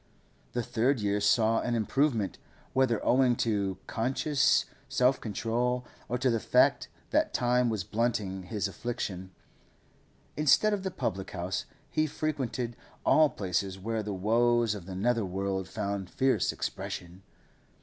The third year saw an improvement, whether owing to conscious self control or to the fact that time was blunting his affliction. Instead of the public house, he frequented all places where the woes of the nether world found fierce expression.